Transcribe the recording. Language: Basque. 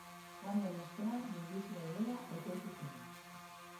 Joan den astean, minbizia duela aitortu zuen.